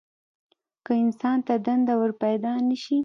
که انسان ته دنده ورپیدا نه شي.